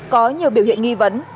có nhiều biểu hiện nghi vấn